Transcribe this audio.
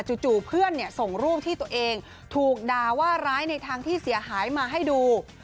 จู่เพื่อนส่งรูปที่ตัวเองถูกด่าว่าร้ายในทางที่เสียหายมาให้ดู